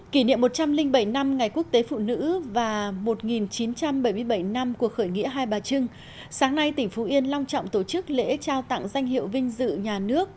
kỷ niệm một trăm linh bảy năm ngày quốc tế phụ nữ và một nghìn chín trăm bảy mươi bảy năm của khởi nghĩa hai bà trưng sáng nay tỉnh phú yên long trọng tổ chức lễ trao tặng danh hiệu vinh dự nhà nước